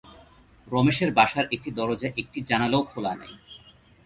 রমেশের বাসার একটি দরজা একটি জানলাও খোলা নাই।